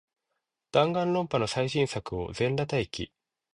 ダンガンロンパの最新作を、全裸待機